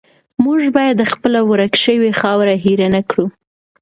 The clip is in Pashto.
موږ باید خپله ورکه شوې خاوره هیره نه کړو.